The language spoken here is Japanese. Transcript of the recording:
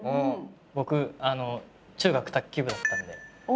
僕中学卓球部だったんで。